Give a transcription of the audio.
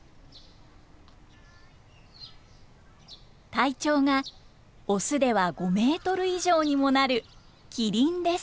体長がオスでは５メートル以上にもなるキリンです。